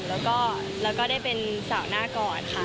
แล้วก็ได้เป็นสาวหน้าก่อนค่ะ